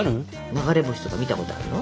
流れ星とか見たことあるの？